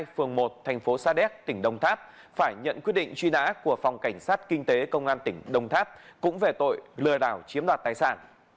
phường một thành phố sa đéc tỉnh đồng tháp phải nhận quyết định truy nã của phòng cảnh sát kinh tế công an tỉnh đồng tháp cũng về tội lừa đảo chiếm đoạt tài sản